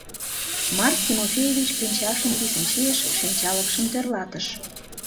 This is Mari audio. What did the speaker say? Марк Тимофеевич пинчакшым писын чийыш, шинчалыкшым тӧрлатыш.